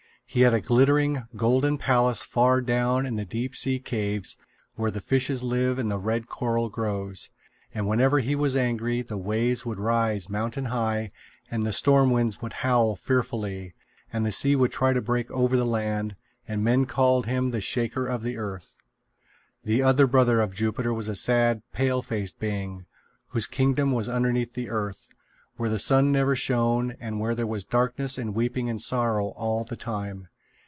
He had a glittering, golden palace far down in the deep sea caves where the fishes live and the red coral grows; and whenever he was angry the waves would rise mountain high, and the storm winds would howl fearfully, and the sea would try to break over the land; and men called him the Shaker of the Earth. The other brother of Jupiter was a sad pale faced being, whose kingdom was underneath the earth, where the sun never shone and where there was darkness and weeping and sorrow all the time.